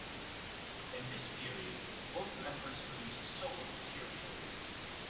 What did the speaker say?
In this period both members released solo material.